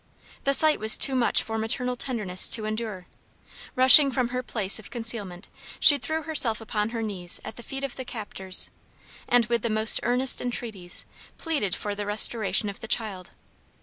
The sight was too much for maternal tenderness to endure. Rushing from her place of concealment, she threw herself upon her knees at the feet of the captors, and with the most earnest entreaties pleaded for the restoration of the child.